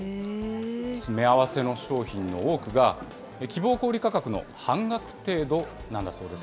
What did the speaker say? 詰め合わせの商品の多くが、希望小売価格の半額程度なんだそうです。